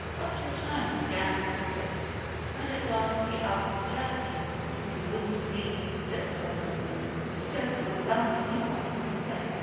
After a time he began to fidget. And at last he asked Chirpy if he wouldn't please be still for a moment, because there was something he wanted to say.